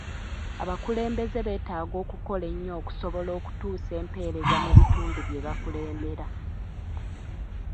Abakulembeze betaaga okukola ennyo okusobola okutuusa empereza mu bitundu byebakulembera.